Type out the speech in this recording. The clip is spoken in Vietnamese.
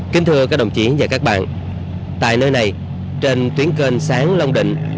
kính thưa các đồng chí và các bạn tại nơi này trên tuyến kênh sáng long định